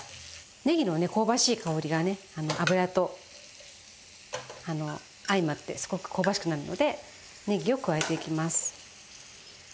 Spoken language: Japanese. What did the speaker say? ねぎのね香ばしい香りがね油と相まってすごく香ばしくなるのでねぎを加えていきます。